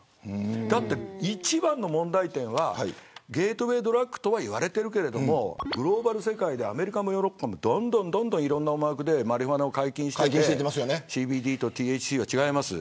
だって、一番の問題点はゲートウェイドラッグとは言われているけどグローバル世界でアメリカもヨーロッパもどんどん、いろんな思惑でマリファナを解禁していてＣＢＤとＴＨＣは違います。